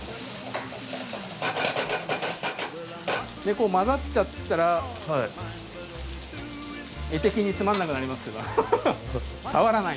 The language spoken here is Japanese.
こう混ざっちゃったら画的につまらなくなりますけど。